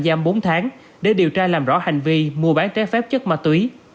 giam bốn tháng để điều tra làm rõ hành vi mua bán trái phép chất ma túy